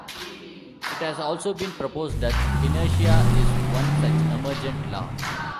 It has also been proposed that inertia is one such emergent law.